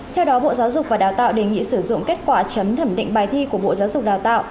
theo đó bộ giáo dục và đào tạo đề nghị sử dụng kết quả chấm thẩm định bài thi của bộ giáo dục đào tạo